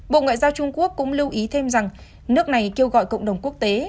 bộ ngoại giao trung quốc cũng lưu ý thêm rằng nước này kêu gọi cộng đồng quốc tế